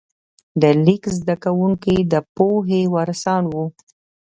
د لیک زده کوونکي د پوهې وارثان وو.